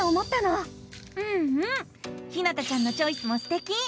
うんうんひなたちゃんのチョイスもすてき！